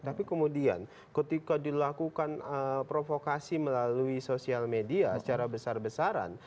tapi kemudian ketika dilakukan provokasi melalui sosial media secara besar besaran